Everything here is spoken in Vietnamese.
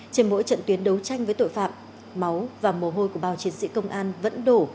trên mỗi trận tuyến đấu tranh với tội phạm máu và mồ hôi của bao chiến sĩ công an vẫn đổ